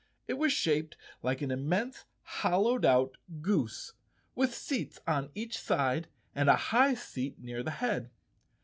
It was shaped like an immense hollowed out goose, with seats on each side and a high seat near the head.